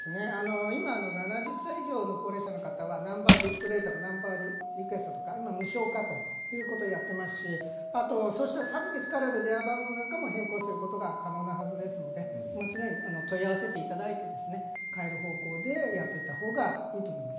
今の７０歳以上の高齢者の方はナンバー・ディスプレイとかナンバー・リクエストとか今、無償化ということをやっていますしあとそうした詐欺に使われた電話番号なんかも変更することが可能なはずですので常に問い合わせていただいて変える方向でやってったほうがいいと思います。